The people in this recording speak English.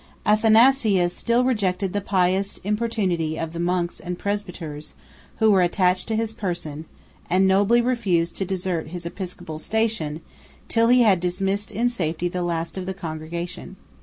136 Athanasius still rejected the pious importunity of the monks and presbyters, who were attached to his person; and nobly refused to desert his episcopal station, till he had dismissed in safety the last of the congregation.